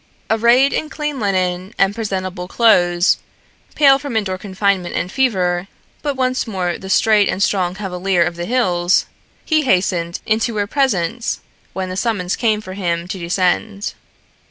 Arrayed in clean linen and presentable clothes, pale from indoor confinement and fever, but once more the straight and strong cavalier of the hills, he hastened into her presence when the summons came for him to descend.